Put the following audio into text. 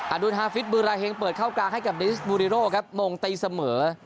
ดูลฮาฟิตบือราเฮงเปิดเข้ากลางให้กับดิสบูริโร่ครับมงตีเสมอ